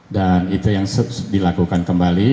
dan itu yang dilakukan kembali